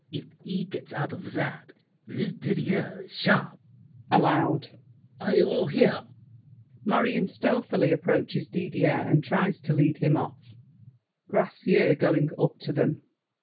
] If he gets out of that, this Didier's sharp. [Aloud.] Are you all here? [Marion stealthily approaches Didier and tries to lead him off. GRACIEUX (going up to them).